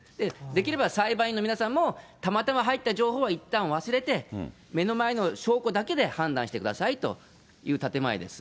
できれば裁判員の皆さんも、たまたま入った情報はいったん忘れて、目の前の証拠だけで判断してくださいという建前です。